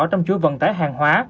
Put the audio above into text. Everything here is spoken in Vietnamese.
trong chuỗi vận tải hàng hóa